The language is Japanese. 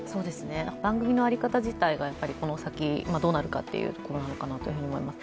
番組の在り方自体がこの先どうなるかっていうところなのかなっていうふうに思います。